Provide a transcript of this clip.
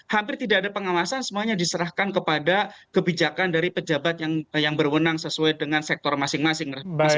hampir tidak ada pengawasan semuanya diserahkan kepada kebijakan dari pejabat yang berwenang sesuai dengan sektor masing masing